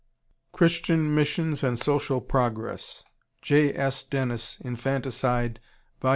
Christian Missions and Social Progress, J. S. Dennis, Infanticide, vol.